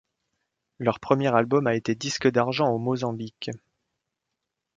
Leur premier album a été disque d'argent au Mozambique.